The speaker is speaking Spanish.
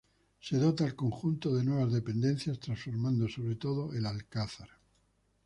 Se dota al conjunto de nuevas dependencias, transformando sobre todo El Alcázar.